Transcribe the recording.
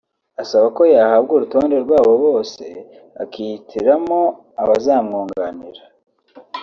asaba ko yahabwa urutonde rw’abo bose akihitiramo abazamwunganira